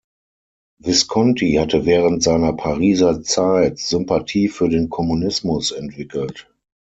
Visconti hatte während seiner Pariser Zeit Sympathie für den Kommunismus entwickelt.